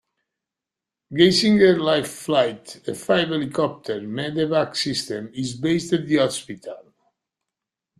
Geisinger Life Flight, a five-helicopter medevac system, is based at the hospital.